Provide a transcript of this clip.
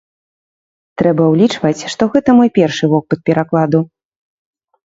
Трэба ўлічваць, што гэта мой першы вопыт перакладу.